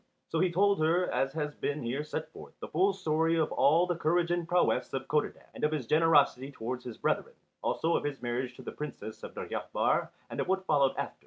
So he told her, as has been here set forth, the full story of all the courage and prowess of Codadad, and of his generosity towards his brethren, also of his marriage to the Princess of Deryabar and of what followed after.